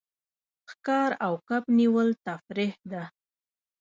ښکار او کب نیول تفریح ده.